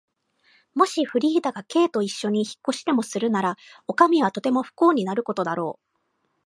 もしフリーダが Ｋ といっしょに引っ越しでもするなら、おかみはとても不幸になることだろう。